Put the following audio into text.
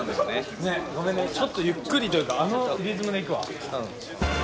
ちょっとゆっくりというかあのリズムでいくわ。